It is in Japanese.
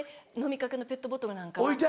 飲みかけのペットボトルなんかは。